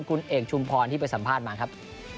คุณเอกชุมพรที่ไปสัมภาษณ์มาครับ